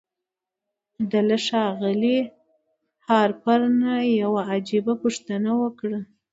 ده له ښاغلي هارپر نه يوه عجيبه پوښتنه وکړه.